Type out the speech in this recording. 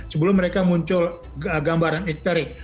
sebelum mereka muncul gambaran ekterik